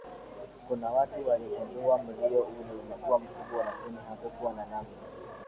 Kuna wakati aligundua mlio ule ulikuwa mkubwa lakini hakuwa na namna